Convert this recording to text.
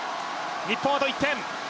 日本、あと１点。